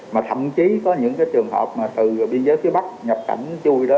mà thậm chí có những cái trường hợp mà từ biên giới phía bắc nhập cảnh chui đó